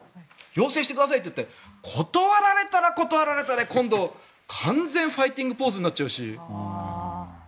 要請してくださいといって断られたら断られたで完全ファイティングポーズになっちゃうし。